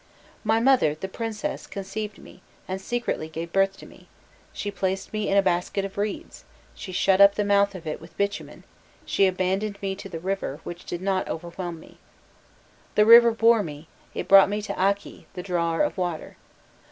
My mother, the princess, conceived me, and secretly gave birth to me: she placed me in a basket of reeds, she shut up the mouth of it with bitumen, she abandoned me to the river, which did not overwhelm me. The river bore me; it brought me to Akki, the drawer of water.